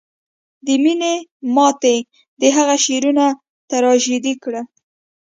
د مینې ماتې د هغه شعرونه تراژیدي کړل